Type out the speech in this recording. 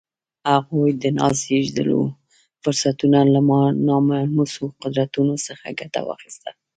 هغوی د نازېږېدلو فرصتونو له ناملموسو قدرتونو څخه ګټه واخیسته